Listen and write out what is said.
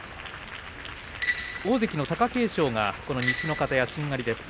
大関の貴景勝が西の方屋しんがりです。